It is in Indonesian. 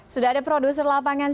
sudah ada produser lapangan